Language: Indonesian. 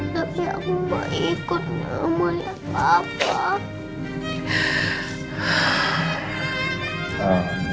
tapi aku mau ikut mau liat papa